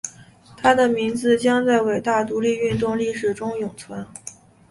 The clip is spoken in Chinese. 他的名字将在伟大独立运动历史中永存。